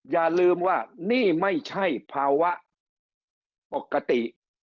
อย่าลืมว่านี่ไม่ใช่ภาวะปกติ